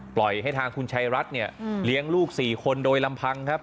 ปล่อยให้ทางคุณชัยรัฐเนี่ยเลี้ยงลูก๔คนโดยลำพังครับ